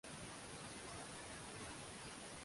Akiwa na umri wamiaka sitini na saba